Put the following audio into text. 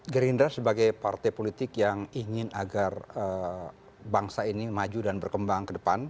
gerindra sebagai partai politik yang ingin agar bangsa ini maju dan berkembang ke depan